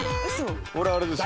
「これあれですよ」